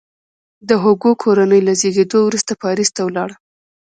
د هوګو کورنۍ له زیږېدلو وروسته پاریس ته ولاړه.